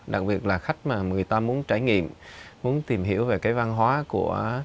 đặc biệt là khách mà người ta muốn trải nghiệm muốn tìm hiểu về cái văn hóa của